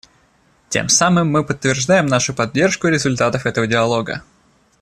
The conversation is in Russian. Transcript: Тем самым мы подтверждаем нашу поддержку результатов этого диалога.